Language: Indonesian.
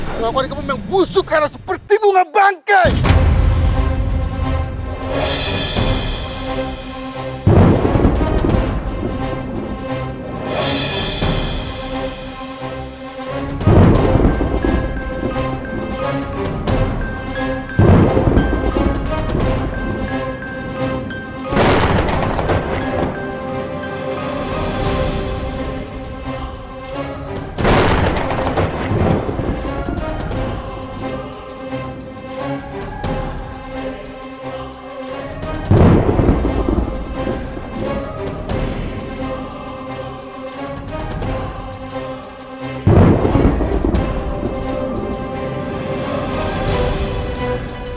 kalau aku ada di tempat memang busuk karena seperti bunga bangke